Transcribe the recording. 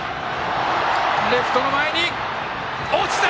レフトの前に落ちた！